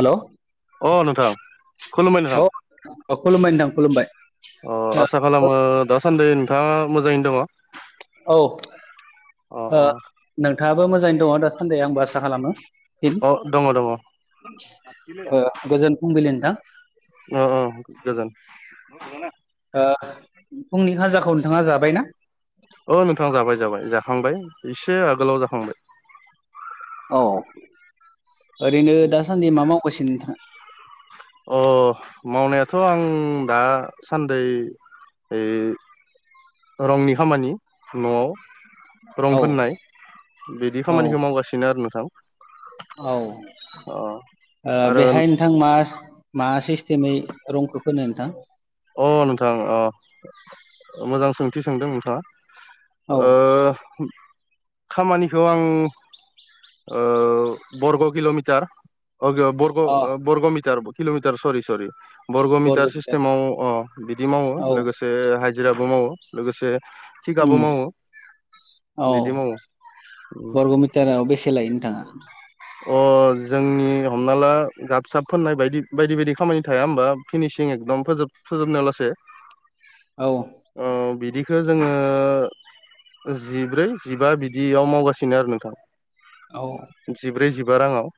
हेल' औ अ नोंथां खुलुमबाय नोंथां खुलुमबाय नोंथां खुलुमबाय अ आसा खालामो ओ दासान्दि नोंथाङा मोजाङैनो दङो औ नोंथाङाबो मोजाङैनो दङ दासान्दि आंबो आसा खालामो अ दङ दङ अ गोजोन फुंबिलि नोंथां अ अ गोजोन अ अ नोंथां जाबाय जाबाय जाखांबाय इसे आगोलाव जाखांबाय औ ओरैनो दासान्दि मा मावगासिनो नोंथाङा? अ मावनायाथ' आं दासान्दै ओइ रंनि खामानि न'आव रं औ फोननाय बिदि औ खामानिखौ मावगासिनो आरो नोंथां औ अ आरो बेहाय नोंथां मा मा सिस्टेमै रंखौ फोनो नोंथां अ नोंथां अ मोजां सोंथि सोंदों नोंथाङा औ ओ खामानिखौ आं ओ बरग' किल'मिटार अ बरग'म मिटार किल'मिटार सरि सरि बरग'म मिटार बरग'मिटार सिस्टेमाव अ बिदि मावो औ लोगोसे हाजिराबो मावो लोगोसे थिखाबो उम मावो औ बिदि मावो बरग' मिटाराव बेसे लायो नोंथाङा जोंनि हमना ला गाब साब फोननाय बायदि बायदि बायदि खामानि थाया होमबा फिनिसिं एकदम फोजोब फोजोबनाय लासे औ ओ बिदि जोङो जिब्रै जिबा बिदियाव मावगासिनो आरो नोंथां औ जिब्रै जिबा रांङआव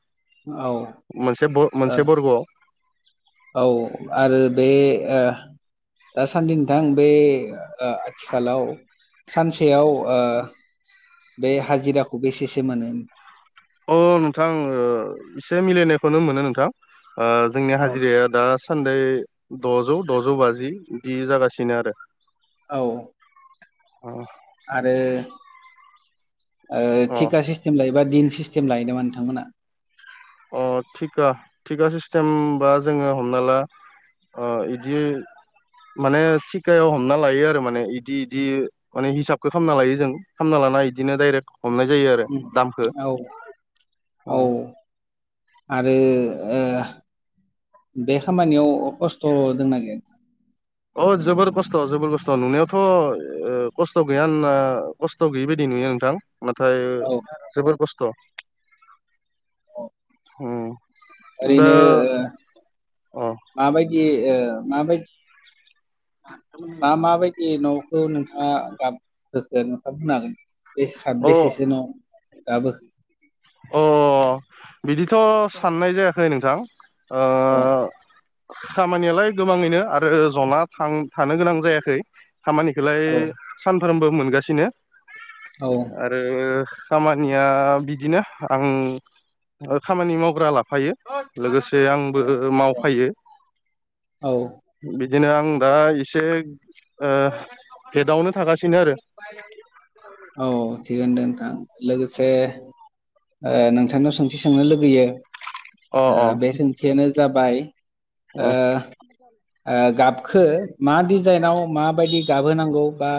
औ मोनसे ओ मोनसे बरग'आव औ आरो बे दासान्दि नोंथां बे ओ आथिखालाव सानसेयाव ओ बे हाजिराखौ बेसे से मोनो? औ नोंथां एसे मिलायनायखौनो मोनो नोंथां जोंनि औ हाजिराया दा सानद द'जौ द'जौ बाजि बिदि जागासिनो आरो औ अ आरो अ थिका सिस्टेम लायोबा दिन सिस्टेम लायो नामा नोंथांमोना? अ थिखा थिखा सिस्टेमबा जोंङो हमना ला अ इदि माने थिखायाव हमना लायो आरो माने इदि इदि माने हिसाबखौ खालामना लायो जों खालामना लायो। इदिनो बिदिनो डायरेक्ट हमनाय जायो आरो उम दामखो औ औ आरो ओ बे खामानियाव खस्थ' दंना गैया? अ जोबोर खस्थ' जोबोर खस्थ' नुनायावथ' ओ खस्थ' गैया होनना खस्थ' गैयि बायदि नुयो नोंथां नाथाय औ जोबोर खस्थ' औ उम दा ओरैनो ओ अ माबायदि ओ माबायदि मा माबायदि न'खौ नोंथांङा गाब होखो नोंथाङा बुं हागोन बे अ सतबे सेसो न' दाबो अ बिदिथ' साननाय जायाखै नोंथां। ओ औ खामानियालाय गोबांङैनो आरो जना थां थानो गोनां जायाखै। खामानिखौलाय औ सानफ्रोमबो मोनगासिनो औ आरो खामानिया बिदिनो आं खामानि मावग्रा लाफायो लोगोसे आंबो मावफायो बि औ बिदिनो आं दा एसे ओ हेदआवनो थागासिनो आरो। औ थिगानो दे नोंथां लोगोसे ओ नोंथांनाव सोंथि सोंनो लुगैयो अ अ ओ बे सोंथियानो जाबाय ओ अ गाबखो मा डिजाइनाव माबायदि गाबहोनांगौ बा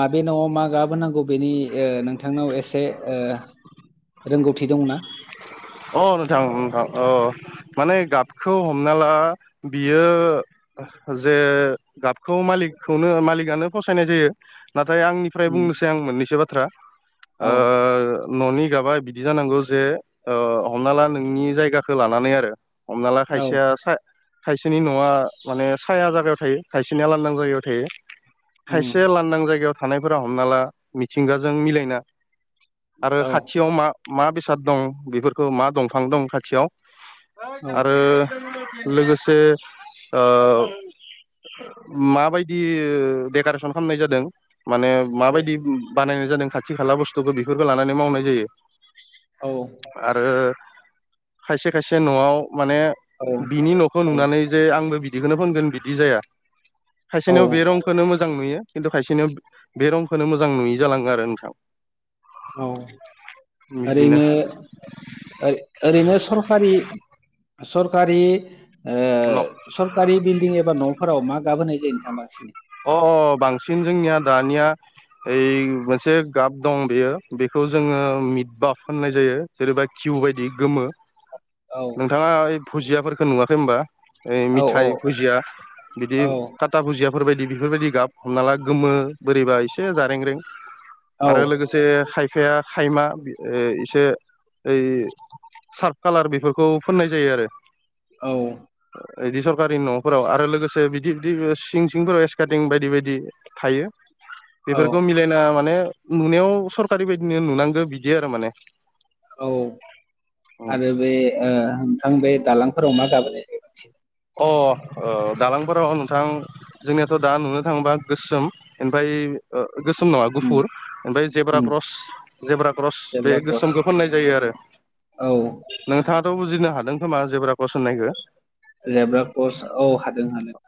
माबे नवाव मा गाब नांगौ बेनि ओ नोंथांनाव एसे ओ रोंगौथि दंना? अ नोंथां नोंथां अ माने गाबखौ हमना ला बियो जे गाबखौ मालिकखौनो मालिकआनो फसायनाय जायो। नाथाय आंनिफ्राय उम बुंनोसै आं मोननैसो बाथ्रा औ ओ न'नि गाबा बिदि जानांगौ जे ओ हमना ला नोंनि जायगाखौ लानानै आरो। हमना ला औ खायसेया सा खायसेनि न'आ माने साया जायगायाव थायो खायसेनिया लांदां जायगायाव थायो। उम खायसे लांदां जायगायाव थानायफोरा हमना ला मिथिंगाजों मिलायना आरो औ खाथियाव मा मा बेसाद दं बेफोरखौ मा दंफां दं खाथियाव औ आरो लोगोसे ओ माबायदि डेक'रेसन खालामनाय जादों। माने माबायदि बानायनाय जादों खाथि खाला बुस्थुखौ बेफोरखौ लानानै मावनाय जायो। औ आरो खायसे खायसे न'आव माने औ बिनि न'खौ औ नुनानै जे आंबो बिदिखौनो फगोन बिदि जाया। खायसेनियाव बे औ रंखोनो मोजां मोजां नुयो खिन्थु खायसेनाव बेरंखोनो मोजां नुयि जालाङो आरो नोंथां। औ बिदिनो ओरैनो ओरै ओरैनो सरखारि सरखारि ओ न' सरकारि बिल्डिं एबा न'फोराव मा गाब होनाय जायो नोंथाङा मा अ अ बांसिन जोंनिया दानिया ओ मोनसे गाब दं बेयो बेखौ जोङो मिद गाब होननाय जायो जेनेबा धिउ बायदि गोमो औ नोंथाङा ओइ फुजियाफोरखौ नुवाखै होनबा? ओइ औ औ मिथाइ फुजिया बिदि औ टाटा भुजिया बेफोर बायदि बेफोर बायदि गाब हमना ला गोमो बोरैबा एसे जारें-रें। औ आरो लोगोसे खायफाया खायमा ओ इसे ओइ सार्फ कालार बेफोरखौ फोननाय जायो आरो। औ बिदि सरकानि न'फोराव आरो लोगोसे बिदि बिदि सिं सिंफोराव स्काटिं बायदि बायदि थायो औ बेफोरखौ मिलायना माने नुनायाव सरकारि बायदिनो नुनांगो बिदि आरो माने। औ आरो बे ओ नोंथां बे दालांफोराव मा गाब होनाय जायो बांसिन? अ ओ दालांफोराव नोंथां जोंनियाथ' दा नुनो थाङोबा गोसोम ओमफाय ओ गोसोम नङा उम गुफुर ओमफ्राय zebra um cross zebra cross बे जेब्रा क्रस गोसोमखौ फोननाय जायो आरो। औ नोंथाङाथ' बुजिनो हादों खोमा जेब्रा क्रस होननायखो? जेब्रा कर्स औ हादों हादों।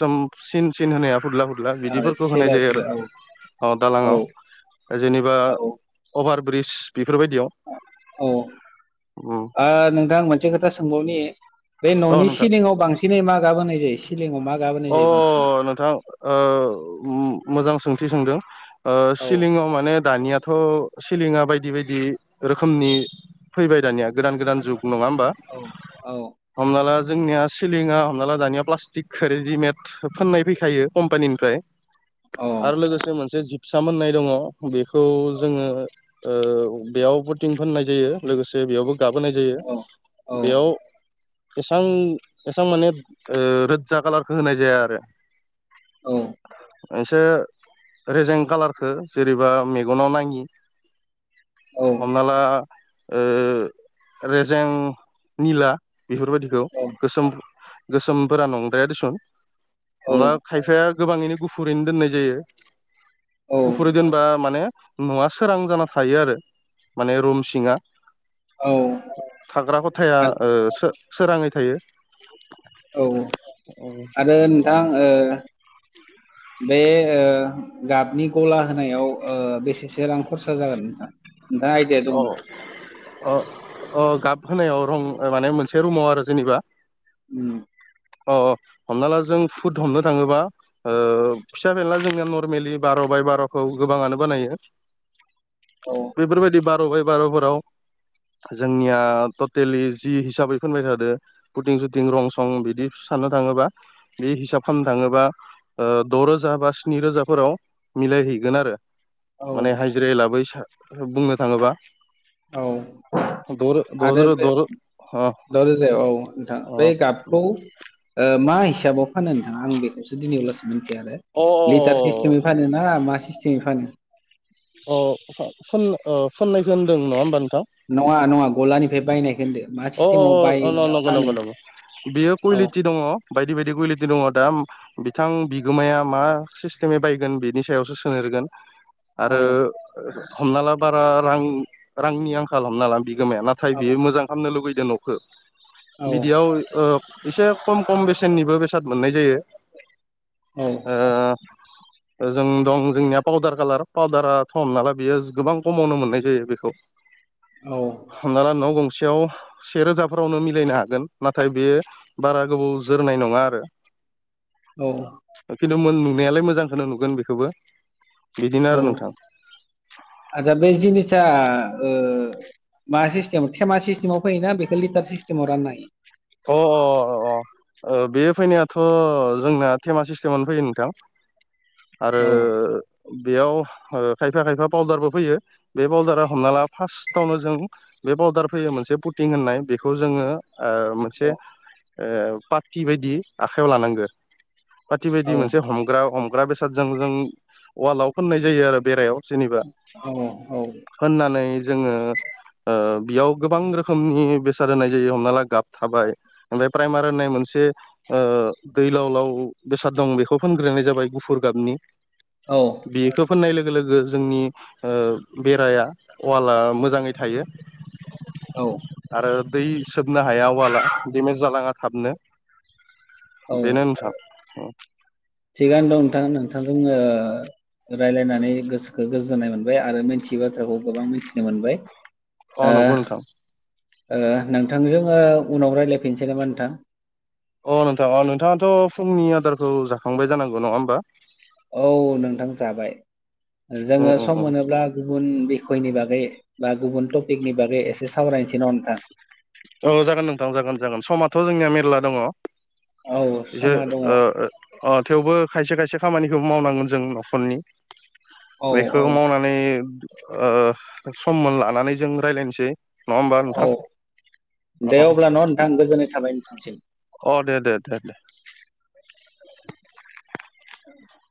सोम सिन सिन होनाया फुरला फुरला ओ बिदिफोरखौ होनाय सिला जायो आरो। सिला औ औ दालाङाव। जेनेबा अभार ब्रिज बेफोरबायदियाव औ औ उम ओ नोंथां मोनसे खो था सोंबावनि बे अ न'नि नोंथां सिलिङाव बांसिनै मा गाब होनाय जायो? सिलिङाव मा गाब होनाय अ जायो बांसिनै? नोंथां ओ मोजां सोंथि सोंदों। ओ औ सिलिङाव माने दानिया थ' सिलिंआ बायदि बायदि रोखोमनि फैबाय दानिया गोदान गोदान जुग। नङा होमबा औ औ हमना ला जोंनिया सिलिङा हमना ला दानिया प्लास्टिक रेडिमेड फोननाय फैखायो कम्पानिनिफ्राय औ आरो लोगोसे मोनसे जि फिसा मोननाय दङ' बेखौ जोङो ओ बेयाव फुटिं फाननाय जायो लोगोसे बेयावबो गाब होनाय जायो। औ औ बेयाव एसां एसां माने ओ रोजा कालारखौ होनाय जाया आरो। औ एसे रेजें कालारखौ जेरैबा मेगनाव नाङि हमना ला ओ रजें निला बेफोर बायदिखौ औ गोसोम गोसोमफोरा नंद्राया दिसन औ हमना ला खायफाया गोबाङैनो गुफुरैनो दोननाय जायो औ गुफुरै दोनबा माने न'आ सोरां जाना थायो आरो माने रुम सिङा औ थाग्रा खथाया आरो ओ सो-सोराङै थायो। औ औ आरो नोंथां ओ बे ओ गाबनि गला होनायाव ओ बेसेसो रां खरसा जागोन नोंथा? अ अ अ गाब होनायाव रं माने मोनसे रुमाव आरो जेनेबा? उम अ हमना ला जों फुद हमनो थाङोबा ओ फिसा फेनला जोंनिया नरमेलि बार' [unintelligible] बार'खौ गोबाङानो बानायो। औ बेफोर बायदि [unintelligible] [unintelligible] जोंनिया टटेलि जि हिसाबै फोनबाय थादों फुटिं सुटिं रं सं बिदि साननो थांङोबा बे हिसाब खालामनो थाङोबा ओ द'रोजा बा स्नि रोजाफोराव मिलायहैगोन आरो औ माने हाजिरा एला बै बुंनो थांङोबा औ आरो द'जोरो बे द' अ द रोजायाव औ नोंथां बै अ गाबखौ मा हिसाबाव फानो नोंथांङा आं बेखौसो दिनै अ लासो मिथिया आरो अ लिटार सिस्टेमै फानोना मा खिथि फानो अ फुन ओ फुननायखौ होनदों नंङा होमबा नोंथां नंङा नंङा गलानिफ्राय बायनायखौ होनदों अ अ नंगौ नंगौ नंगौ बियो औ कुवलिटि दङ बायदि बायदि कुवालिटि दङ दा बिथां बिगोमाया मा सिस्टेमै बायगोन बिनि सायावसो सोनहोरगोन औ आरो हमना ला बारा रां रांनि आंखाल हमना ला बि गोमाया नाथाय बियो मोजां खालामनो लुबैदों न'खौ औ बिदियाव ओ एसे खम खम बेसेननिबो बेसाद मोननाय जायो। औ ओ [inaudible] जों दं जोंनिया पाउदार खालार पाउदारा थम नालाय बियो गोबां खमावनो मोननाय जायो बेखौ औ हमना ला न' गं सेयाव सेेरोजाफोरावनो मिलायनो हागोन नाथाय बे बारा गोबाव जोरनाय नंङा आरो [inaudible] औ खिन्थु मोन नुनायालाय मोजांखौनो नुगोन बेखौबो बिदिनो आरो औ नोंथां आदा बे जिनिसा ओ मा सिस्टेम थेमा सिस्टेमाव फैयोना बेखौ लिटार सिस्टेमाव राननो हायो। अ अ अ अ ओ बे फैनायाथ' जोंना थेमा सिस्टेमनो फैयो नोंथां आरो औ बेयाव खायफा खायफा पावउदारबो फैयो। बे बावदारा हमना ला फार्स्टावनो जों बे पाउदार फैयो मोनसे पुटिं होननाय बेखौ जोंङो ओ मोनसे औ पाटि बायदि आखाइायाव लानांगो पाटि बायदि औ मोनसे हमग्रा हमग्रा बेसे जों जों वालाव फोननाय जायो आरो बेरायाव जेनेबा औ फोननानै जोंङो ओ बेयाव गोबां रोखोमनि बेसाद होनाय जायो हमना ला गाब थाबाय ओमफ्राय प्राइमार होननाय मोनसे दैलाव लाव बेसाद दं बेखौ फोनग्रो जाबाय गुफुर गाबनि औ बेखौ फोननाय लोगो लोगो जोंनि ओ बेरा वाला मोजांङै थायो। औ आरो दै सोबनो हाया वाला डेमेज जालाङा थाबनो औ बेेनो नोंथां थिगानो दं नोंथां नोंथांजों ओ राय्लायनानै गोसोखौ गोजोननाय मोनबाय आरो मिन्थियै बाथ्राखौ गोबां मिथिनो मोनबाय अ ओ नंगौ नोंथां ओ नोंथांजों ओ उनाव रायज्लायफिनसै नामा नोंथां अ नोंथाङा अ नोंथांङाथ' फुंनि अदारखौ जाखांबाय जानांगौ नंङा होमबा? औ नोंथां जाबाय उम जोंङो उम सम उम मोनोब्ला गुबुन खयनि बागै बा गुबुन टपिकनि बागै एसे सावरायनोसै न नोंथां औ जागोन नोंथां जागोन जागोन समथ' जोंनिया मेर्ला दंङो औ समा बिसोर दङ औ थेवबो खायसे खायसे खामानिखौ मावनांगोन जों न'खरनि बेखौ औ मावनानै सममोन लानानै जों रायज्लायनोसै नंङा होमबा औ नोंथां? अ दे अब्ला न' नोंथां गोजोननाय थाबाय नोंथांसिम अ दे दे दे दे [inaudible]